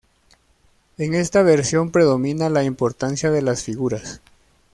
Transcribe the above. En esta versión predomina la importancia de las figuras.